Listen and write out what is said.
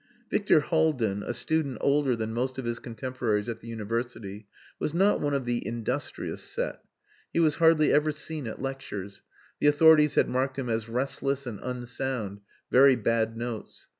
Victor Haldin, a student older than most of his contemporaries at the University, was not one of the industrious set. He was hardly ever seen at lectures; the authorities had marked him as "restless" and "unsound " very bad notes.